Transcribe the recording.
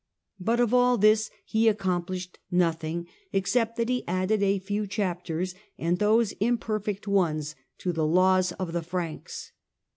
But of all this he accom plished nothing, except that he added a few chapters, and those imperfect ones, to the laws of the Franks.